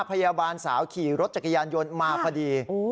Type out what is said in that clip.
พยาบาลสาวขี่รถจักรยานยนต์มาพอดี